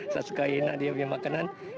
saya suka enak dia beli makanan